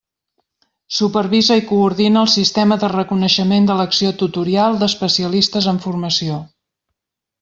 Supervisa i coordina el sistema de reconeixement de l'acció tutorial d'especialistes en formació.